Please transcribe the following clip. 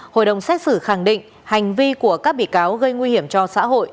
hội đồng xét xử khẳng định hành vi của các bị cáo gây nguy hiểm cho xã hội